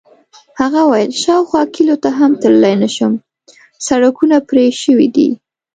هغه وویل: شاوخوا کلیو ته هم تللی نه شم، سړکونه پرې شوي دي.